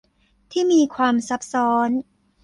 ที่มีความซับซ้อน